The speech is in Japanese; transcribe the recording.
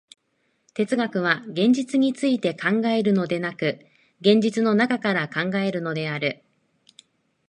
哲学は現実について考えるのでなく、現実の中から考えるのである。